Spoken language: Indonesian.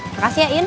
makasih ya in